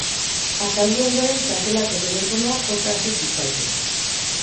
Afaldu ondoren sakelako telefonoa joka hasi zitzaion.